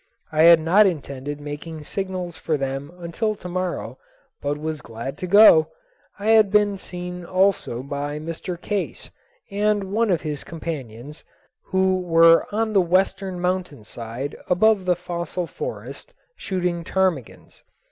I had not intended making signals for them until to morrow but was glad to go. I had been seen also by Mr. Case and one of his companions, who were on the western mountain side above the fossil forest, shooting ptarmigans.